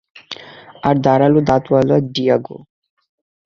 আর ধারালো দাঁতওয়ালা ডিয়েগো।